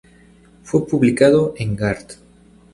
Fue publicado en "Gard.